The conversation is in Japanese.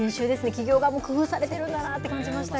企業側も工夫されてるんだなって感じましたよ。